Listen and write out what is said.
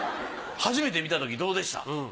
初めて見たときどうでした？